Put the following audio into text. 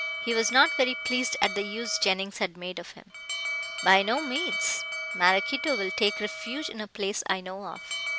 He was not very pleased at the use Jennings had made of him. "By no means. Maraquito will take refuge in a place I know of.